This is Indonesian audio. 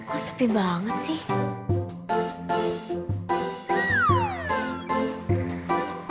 oh sepi banget sih